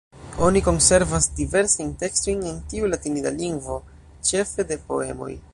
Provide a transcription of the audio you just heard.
Oni konservas diversajn tekstojn en tiu latinida lingvo, ĉefe de poemoj.